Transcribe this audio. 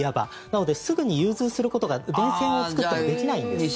なのですぐに融通することが電線を作ったりできないんです。